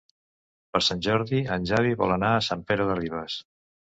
Per Sant Jordi en Xavi vol anar a Sant Pere de Ribes.